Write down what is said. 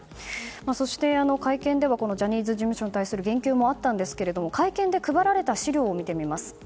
そして、会見ではジャニーズ事務所に対する言及もありましたが会見で配られた資料を見てみます。